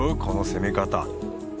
この攻め方！